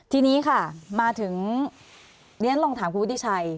ทีนี้ค่ะมาถึงเรียกนั้นลองถามครูพุทธิชัย